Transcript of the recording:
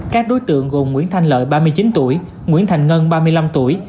các đối tượng gồm nguyễn thanh lợi ba mươi chín tuổi nguyễn thành ngân ba mươi năm tuổi